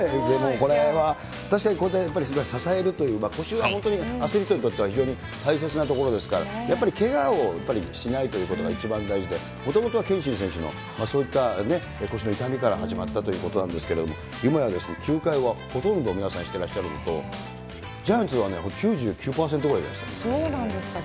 これは確かにこれでやっぱり支えるという、腰は本当にアスリートにとっては大切なことですから、やっぱりけがをしないということが、一番大事で、もともとは憲伸選手の、そういった腰の痛みから始まったということなんですけれども、今や、球界はほとんど皆さん、してらっしゃるのと、ジャイアンツは９９％ぐらいじゃないですかね。